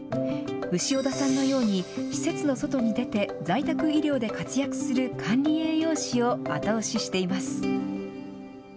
潮田さんのように、施設の外に出て、在宅医療で活躍する管理栄養士を後押ししています。